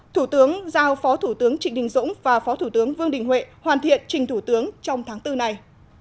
thủ tướng giao phó thủ tướng trịnh đình dũng và phó thủ tướng vương đình huệ hoàn thiện trình thủ tướng trong tháng bốn này